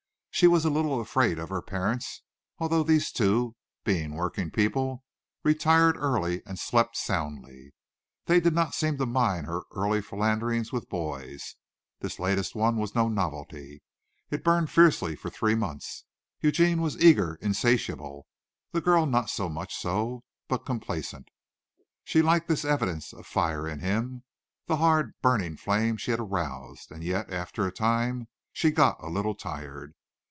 She was a little afraid of her parents, although those two, being working people, retired early and slept soundly. They did not seem to mind her early philanderings with boys. This latest one was no novelty. It burned fiercely for three months Eugene was eager, insatiable: the girl not so much so, but complaisant. She liked this evidence of fire in him, the hard, burning flame she had aroused, and yet after a time she got a little tired.